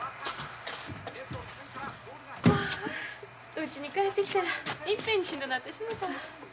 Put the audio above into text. うちに帰ってきたらいっぺんにしんどなってしもたわ。